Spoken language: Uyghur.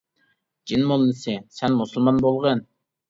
جىن موللىسى : سەن مۇسۇلمان بولغىن.